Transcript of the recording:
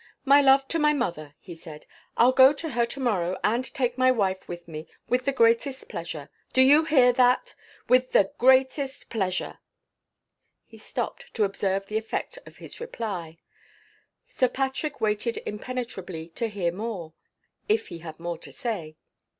"My love to my mother," he said. "I'll go to her to morrow and take my wife with me, with the greatest pleasure. Do you hear that? With the greatest pleasure." He stopped to observe the effect of his reply. Sir Patrick waited impenetrably to hear more if he had more to say.